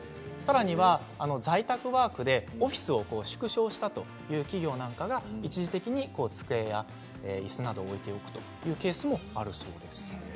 さらには在宅ワークでオフィスを縮小したという企業なんかが、一時的に机や、いすなどを置いているというケースもあるそうです。